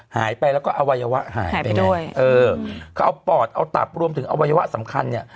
หายไปแล้วก็อวัยวะหายไปด้วยเออเขาเอาปอดเอาตับรวมถึงอวัยวะสำคัญเนี่ย